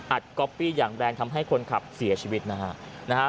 ก๊อปปี้อย่างแรงทำให้คนขับเสียชีวิตนะฮะ